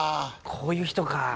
こういう人か。